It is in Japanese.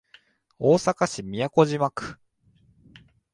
大阪市都島区